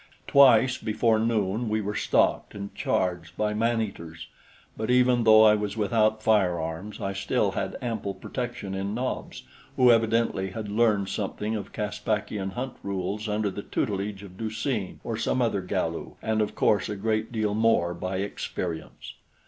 Twice before noon we were stalked and charged by man eaters; but even though I was without firearms, I still had ample protection in Nobs, who evidently had learned something of Caspakian hunt rules under the tutelage of Du seen or some other Galu, and of course a great deal more by experience.